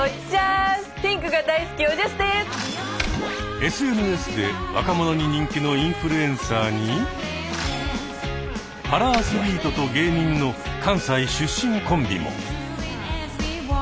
ＳＮＳで若者に人気のインフルエンサーにパラアスリートと芸人の関西出身コンビも。